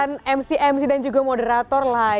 pemirsa mc mc dan juga moderator lah ya